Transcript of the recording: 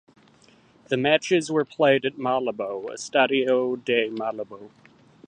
The matches were played at Malabo (Estadio de Malabo).